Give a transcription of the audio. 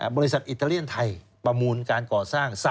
อิตาเลียนไทยประมูลการก่อสร้าง